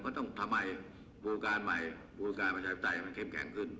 มันต้องทำให้ภูมิการใหม่ภูมิการประชาปัจจัยมันเข้มแข็งขึ้น